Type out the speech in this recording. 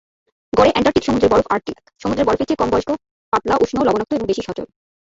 গড়ে অ্যান্টার্কটিক সমুদ্রের বরফ আর্কটিক সমুদ্রের বরফের চেয়ে কম বয়স্ক, পাতলা, উষ্ণ, লবণাক্ত এবং বেশি সচল।